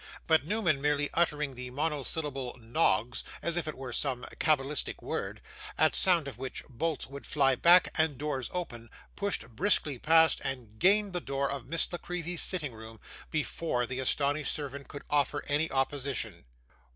But Newman merely uttering the monosyllable 'Noggs,' as if it were some cabalistic word, at sound of which bolts would fly back and doors open, pushed briskly past and gained the door of Miss La Creevy's sitting room, before the astonished servant could offer any opposition.